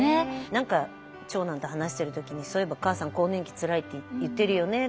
何か長男と話してる時に「そういえば母さん更年期つらいって言ってるよね。